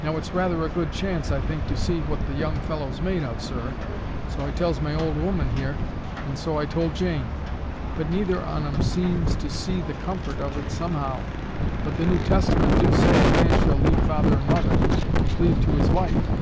Now, it's rather a good chance, I think, to see what the young fellow's made of, sir. So I tells my old 'oman here; and so I told Jane. But neither on 'em seems to see the comfort of it somehow. But the New Testament do say a man shall leave father and mother, and cleave to his wife."